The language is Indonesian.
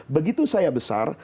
begitu saya besar